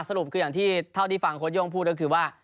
สรุปคืออย่างที่เท่าที่ฟังโค้ชโย่งพูดก็คือว่า